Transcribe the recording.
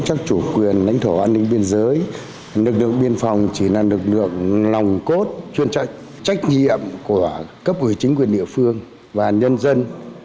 chỉ là lực lượng nòng cốt chuyên trách trách nhiệm của cấp ủy chính quyền địa phương và nhân dân